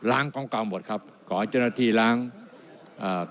ล้างพร้อมกลางหมดครับขอเจ้าหน้าที่ล้างอ่า